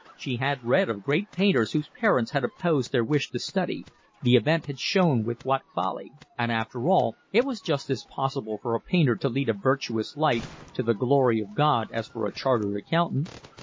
She had read of great painters whose parents had opposed their wish to study, the event had shown with what folly; and after all it was just as possible for a painter to lead a virtuous life to the glory of God as for a chartered accountant.